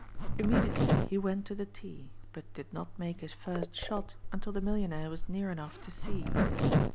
Immediately he went to the tee but did not make his first shot until the millionaire was near enough to see.